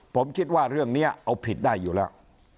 ผมคิดว่าเรื่องนี้เอาผิดได้อยู่แล้ว